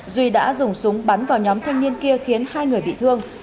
duy đã dùng súng bắn vào nhóm thanh niên kia khiến hai người bị thương